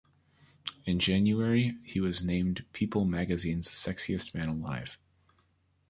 In January, he was named "People" magazine's Sexiest Man Alive.